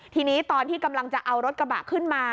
ทีนี้ตอนที่กำลังจะเอารถกระบะขึ้นมา